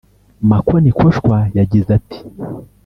Makonikoshwa yagize ati